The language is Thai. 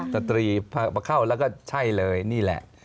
สตรีพอเข้าแล้วก็ใช่เลยนี่แหละ